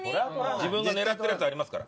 自分が狙ってるやつありますから。